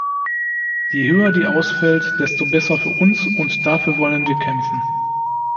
Je höher die ausfällt, desto besser für uns, und dafür wollen wir kämpfen.